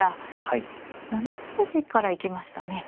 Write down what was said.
７筋から行きましたね。